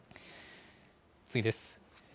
次です。